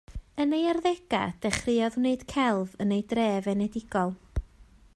Yn ei arddegau dechreuodd wneud celf yn ei dref enedigol